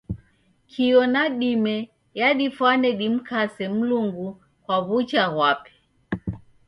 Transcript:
Kio na dime yadifwane dimkase Mlungu kwa w'ucha ghwape.